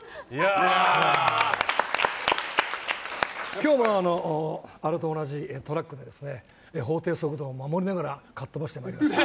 今日もあれと同じトラックで法定速度を守りながらかっ飛ばしてまいりました。